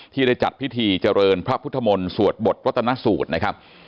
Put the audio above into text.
ได้จัดพิธีเจริญพระพุทธมนตสวดบทวัตนสูตรนะครับ